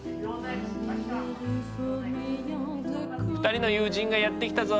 ２人の友人がやって来たぞ。